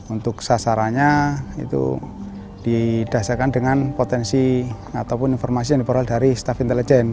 untuk sasarannya itu didasarkan dengan potensi ataupun informasi yang diperoleh dari staf intelijen